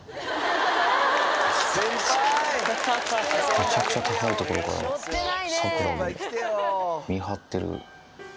めちゃくちゃ高い所からサクラを見張ってる。